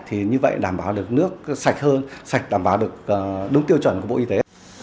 thì như vậy đảm bảo được nước sạch hơn sạch đảm bảo được đúng tiêu chuẩn của bộ y tế